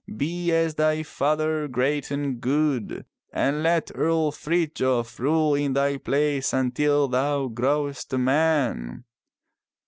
Be as thy father great and good. And let Earl Frithjof rule in thy place until thou growest a man.